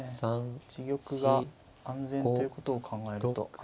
自玉が安全ということを考えると。